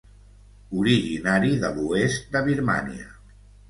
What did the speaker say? Originari de l'oest de Birmània.